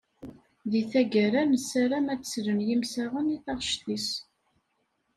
Di taggara, nessaram ad d-slen yimsaɣen i taɣect-is.